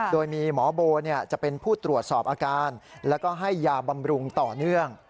โดยมีหมอโบจะเป็นผู้ตรวจสอบอาการแล้วก็ให้ยาบำรุงต่อเนื่อง